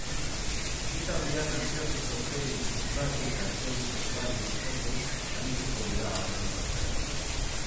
Ekitaldian nazioarteko sei surflari eta sei surflari euskaldun arituko dira aurrez aurre.